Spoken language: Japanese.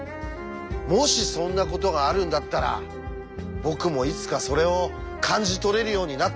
もしそんなことがあるんだったら僕もいつかそれを感じ取れるようになってみたい。